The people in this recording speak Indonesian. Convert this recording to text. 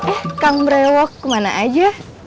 eh kang brewok kemana aja